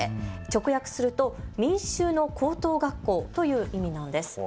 直訳すると民衆の高等学校という意味なんです。